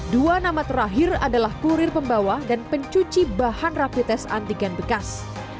dua nama terakhir adalah kurir pembawa dan pencuci bahan rapi tes antigen bekas